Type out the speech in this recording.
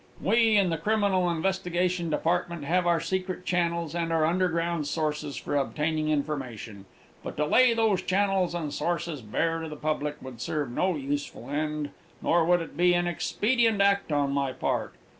"We in the Criminal Investigation Department have our secret channels and our underground sources for obtaining information, but to lay those channels and sources bare to the public would serve no useful end, nor would it be an expedient act on my part.